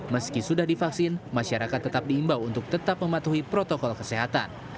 meski sudah divaksin masyarakat tetap diimbau untuk tetap mematuhi protokol kesehatan